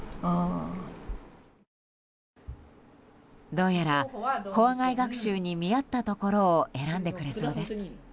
どうやら校外学習に見合ったところを選んでくれそうです。